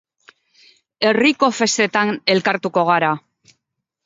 Herriko festetan elkartuko gara.